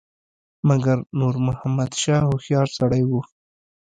مګر نور محمد شاه هوښیار سړی وو.